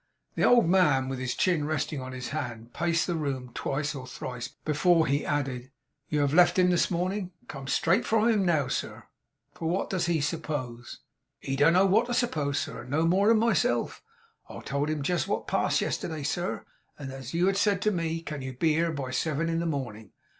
The old man, with his chin resting on his hand, paced the room twice or thrice before he added: 'You have left him this morning?' 'Come straight from him now, sir.' 'For what does he suppose?' 'He don't know what to suppose, sir, no more than myself. I told him jest wot passed yesterday, sir, and that you had said to me, "Can you be here by seven in the morning?"